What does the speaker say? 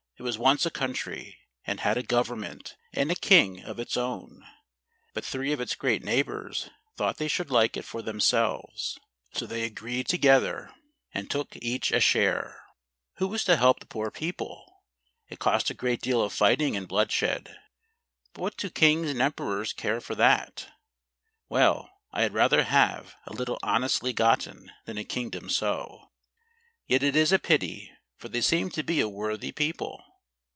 it was once a country, and had a government, and a King, of its own; but three of its great neighbours thought they should like it for themselves: so they agreed together, and . 58 i .*•.■'•''' POLAND. 67 look each a share. Who was to help the poor people? It cost a great deal of fighting and bloodshed; but what do kings and emperors care for that ? Well I had rather have a little honestly gotten, than a kingdom so. Yet it is a pity, for they seem to be a worthy people.